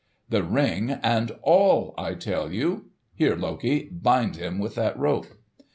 "The Ring and all, I tell you! Here, Loki, bind him with that rope!"